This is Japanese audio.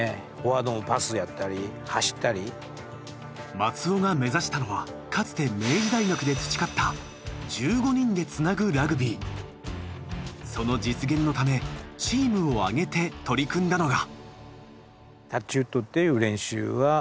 松尾が目指したのはかつて明治大学で培ったその実現のためチームを挙げて取り組んだのが。